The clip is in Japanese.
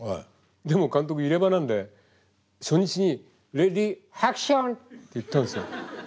でも監督入れ歯なんで初日に「レディーハクション」って言ったんですよ。